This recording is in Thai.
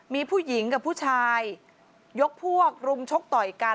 มีผู้หญิงกับผู้ชายยกพวกรุมชกต่อยกัน